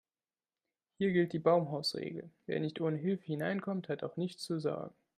Hier gilt die Baumhausregel: Wer nicht ohne Hilfe hineinkommt, hat auch nichts zu sagen.